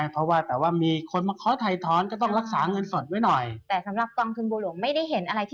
เพราะว่ามีคนมันขอถ่ายถอนก็ต้องรักษาเงินส่วนไว้หน่อย